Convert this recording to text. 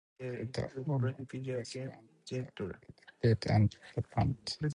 The concert featured The Allman Brothers Band, The Grateful Dead, and The Band.